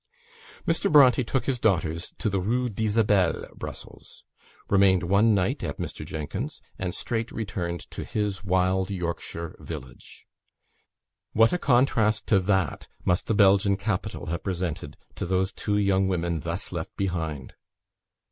Mr. Bronte took his daughters to the Rue d'Isabelle, Brussels; remained one night at Mr. Jenkins'; and straight returned to his wild Yorkshire village. What a contrast to that must the Belgian capital have presented to those two young women thus left behind!